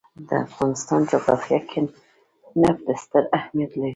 د افغانستان جغرافیه کې نفت ستر اهمیت لري.